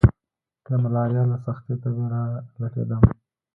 د ملاريا له سختې تبي را لټېدم.